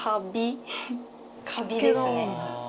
カビですね。